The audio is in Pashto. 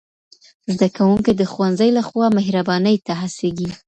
زدهکوونکي د ښوونځي له خوا مهربانۍ ته هڅېږي.